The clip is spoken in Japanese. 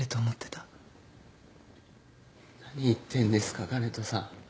何言ってんですか香音人さん。